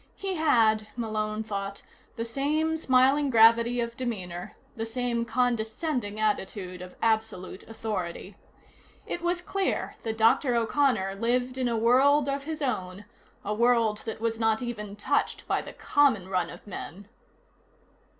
He had, Malone thought, the same smiling gravity of demeanor, the same condescending attitude of absolute authority. It was clear that Dr. O'Connor lived in a world of his own, a world that was not even touched by the common run of men.